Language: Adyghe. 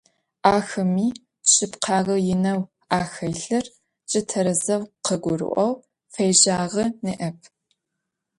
Ахэми шъыпкъэгъэ инэу ахэлъыр джы тэрэзэу къыгурыӀоу фежьагъэ ныӀэп.